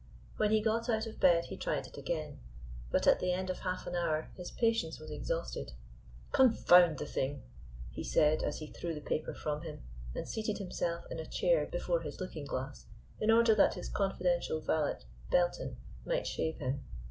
When he got out of bed he tried it again. But at the end of half an hour his patience was exhausted. "Confound the thing," he said, as he threw the paper from him, and seated himself in a chair before his looking glass in order that his confidential valet, Belton, might shave him.